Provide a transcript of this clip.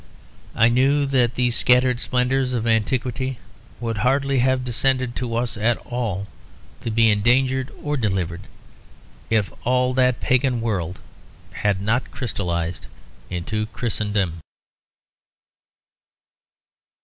I knew that these scattered splendours of antiquity would hardly have descended to us at all, to be endangered or delivered, if all that pagan world had not crystallised into Christendom.